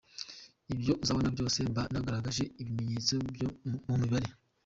Ibyo uzabona byose mba nagaragaje n’ibimenyetso mu mibare.